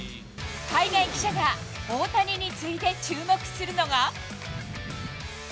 海外記者が、大谷に次いで注目するのが。